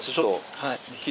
はい。